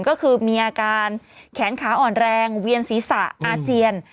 ก็คือมีอาการแขนขาอ่อนแรงเวียนศีรษะอาเจียน